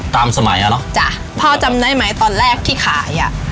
สมัยอ่ะเนอะจ้ะพ่อจำได้ไหมตอนแรกที่ขายอ่ะ